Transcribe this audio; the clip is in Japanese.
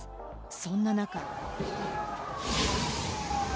そんな中。